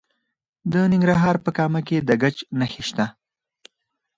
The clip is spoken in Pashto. د ننګرهار په کامه کې د ګچ نښې شته.